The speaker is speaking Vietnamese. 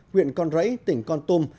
huyện con rẫy tỉnh con tôm